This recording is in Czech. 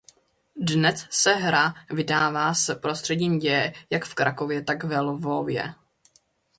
Dnes se hra vydává s prostředím děje jak v Krakově tak ve Lvově.